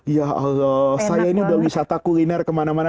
ya allah saya ini udah wisata kuliner kemana mana